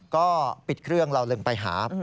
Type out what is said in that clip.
ก็ปิดเครื่องเราลืมไปหา